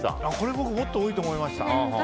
僕、もっと多いかと思いました。